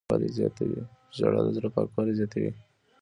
• ژړا د زړه پاکوالی زیاتوي.